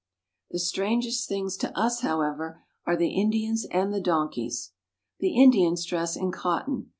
The strangest things to us, however, are the Indians and GENERAL VIEW. 37 the donkeys. The Indians dress in cotton.